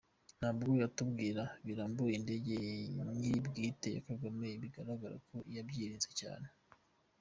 Ntabwo yatubwiye birambuye indege nyiri bwite ya Kagame bigaragara ko yabyirinze cyane…